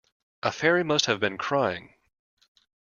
A fairy must have been crying.